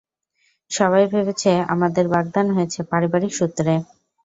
সবাই ভেবেছে আমাদের বাগদান হয়েছে পারিবারিক সূত্রে!